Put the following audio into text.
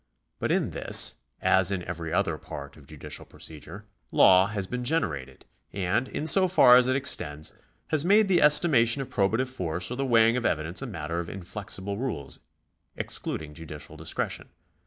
But in this, as in every other part of judicial procedure, law has been generated, and, in so far as it extends, has made the estimation of probative force or the weighing of evidence a matter of inflexible rules ex cluding judicial discretion.